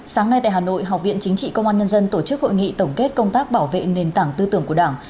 sáng nay tại hà nội học viện chính trị công an nhân dân tổ chức hội nghị tổng kết công tác bảo vệ nền tảng tư tưởng của đảng